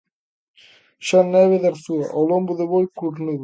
Xan Neve, de Arzúa, ao lombo do boi cornudo...